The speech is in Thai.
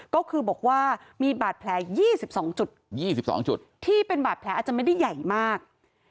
ก็คือบอกว่ามีบาดแผล๒๒จุด๒๒จุดที่เป็นบาดแผลอาจจะไม่ได้ใหญ่มาก